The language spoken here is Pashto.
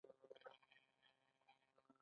دوی ښځې د بالذات غایې په توګه نه ګڼي.